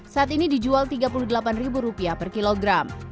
saat ini dijual rp tiga puluh delapan per kilogram